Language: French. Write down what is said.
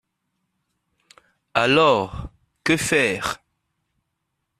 Alors que faire?